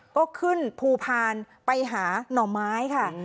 ก็ขึ้นภูพานไปหาหน่อไม้ค่ะ